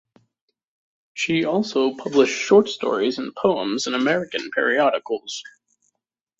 She also published short stories and poems in American periodicals.